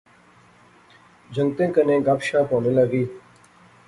جنگتیں کنے گپ شپ ہونے لغی